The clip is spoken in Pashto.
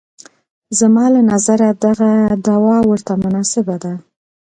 زما له نظره دغه دوا ورته مناسبه ده.